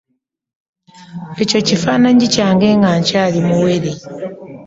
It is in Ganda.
Ekyo kifananyi kyange nga nkyali muwere.